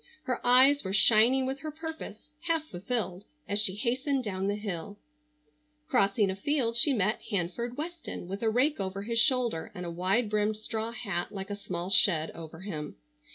Her eyes were shining with her purpose, half fulfilled, as she hastened down the hill. Crossing a field she met Hanford Weston with a rake over his shoulder and a wide brimmed straw hat like a small shed over him.